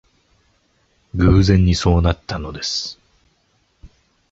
偶然にそうなったのです